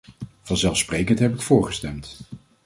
Vanzelfsprekend heb ik voorgestemd.